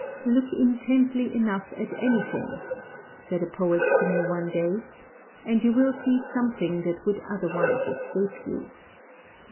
"Look intently enough at anything," said a poet to me one day, "and you will see something that would otherwise escape you."